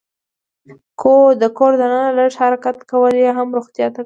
د کور دننه لږ حرکت کول هم روغتیا ته ګټه لري.